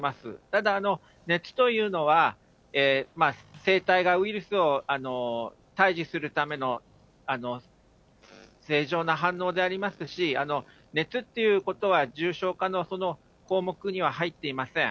ただ、熱というのは、せいたいがウイルスを退治するための正常な反応でありますし、熱っていうことは、重症化の項目には入っていません。